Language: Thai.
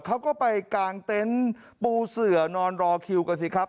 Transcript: เขาก็ไปกางเต็นต์ปูเสือนอนรอคิวกันสิครับ